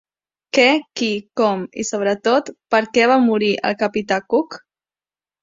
Què, qui, com i, sobretot, per què va morir el capità Cook?